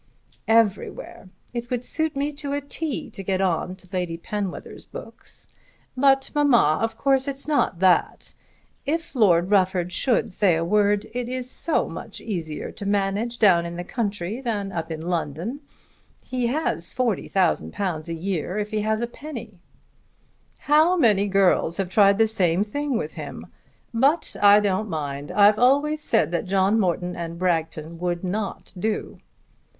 "Everywhere. It would suit me to a 't' to get on to Lady Penwether's books. But, mamma, of course it's not that. If Lord Rufford should say a word it is so much easier to manage down in the country than up in London. He has £40,000 a year, if he has a penny." "How many girls have tried the same thing with him! But I don't mind. I've always said that John Morton and Bragton would not do."